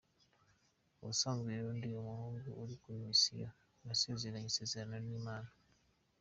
Ubusanzwe rero ndi umuhungu uri kuri mission, nasezeranye isezerano n’Imana.